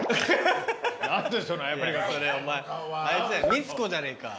ミツコじゃねえか。